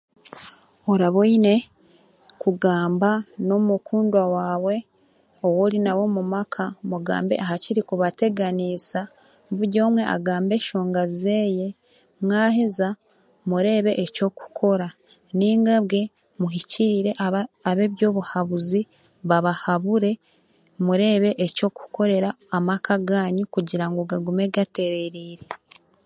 Oraba oine kugamba n'omukundwa waawe ou orinawe omu maka mugambe aha kirikubateganiisa buri omwe agambe eshonga zeeye, mwaheza mureebe ekyokukora. Nainga bwe muhikiirire ab'ebyobuhabuzi babahabure mureebe ekyokukorera amaka gaanyu kugira ngu gagume gaterereire.